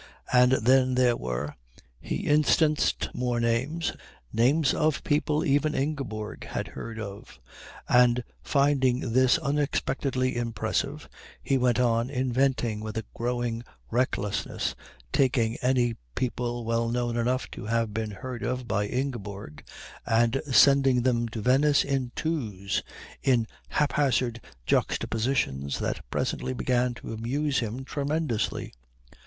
And then there were he instanced more names, names of people even Ingeborg had heard of; and finding this unexpectedly impressive he went on inventing with a growing recklessness, taking any people well known enough to have been heard of by Ingeborg and sending them to Venice in twos, in haphazard juxtapositions that presently began to amuse him tremendously.